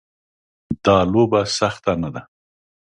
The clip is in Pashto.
دا لوبه سخته نه ده.